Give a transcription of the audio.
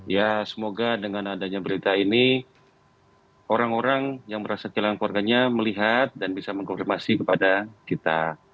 ya semoga dengan adanya berita ini orang orang yang merasa kehilangan keluarganya melihat dan bisa mengkonfirmasi kepada kita